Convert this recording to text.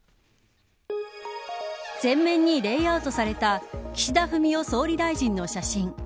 全面にレイアウトされた岸田文雄総理大臣の写真。